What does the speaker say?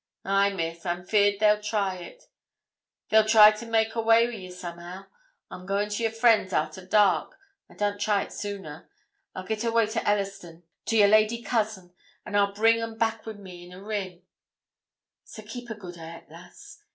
'Ay, Miss, I'm feared they'll try it; they'll try to make away wi' ye somehow. I'm goin' to your friends arter dark; I darn't try it no sooner. I'll git awa to Ellerston, to your lady cousin, and I'll bring 'em back wi' me in a rin; so keep a good hairt, lass.